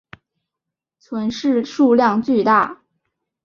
存世数量巨大。